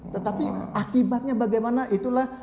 tetapi akibatnya bagaimana itulah